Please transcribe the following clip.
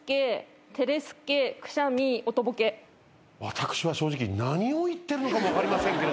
私は正直何を言ってるのかも分かりませんけれども。